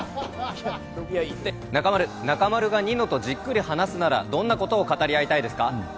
中丸、中丸がニノとじっくり話すなら、どんなことを語り合いたいですか。